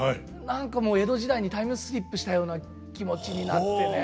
何か江戸時代にタイムスリップしたような気持ちになってね。